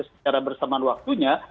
secara bersamaan waktunya